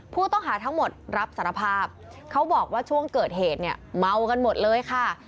ผู้ต้องหาทั้งหมดรับสารภาพเขาบอกว่าช่วงเกิดเหตุเนี่ยเมากันหมดเลยค่ะ